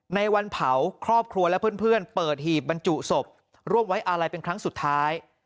ในวันเผาครอบครัวและเพื่อนเปิดหีบบรรจุศพร่วมไว้อาลัยเป็นครั้งสุดท้าย